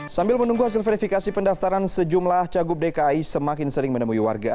sambil menunggu hasil verifikasi pendaftaran sejumlah cagup dki semakin sering menemui warga